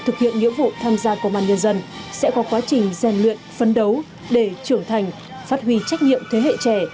thực hiện nghĩa vụ tham gia công an nhân dân sẽ có quá trình gian luyện phấn đấu để trưởng thành phát huy trách nhiệm thế hệ trẻ